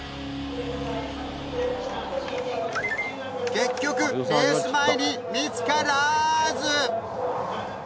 結局レース前に見つからず！